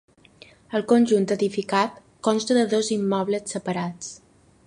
El conjunt edificat consta de dos immobles separats.